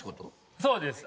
そうです。